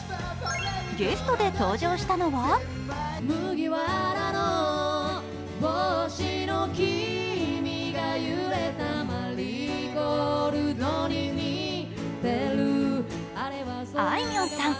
ゲストで登場したのはあいみょんさん。